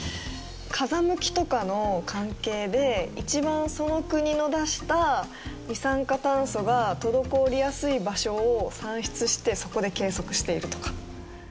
風向きとかの関係で一番その国の出した二酸化炭素が滞りやすい場所を算出してそこで計測しているとか。